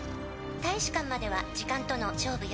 「大使館までは時間との勝負よ」